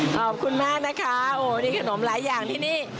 ขอบคุณมากนะคะโอ้นี่ขนมหลายอย่างที่นี่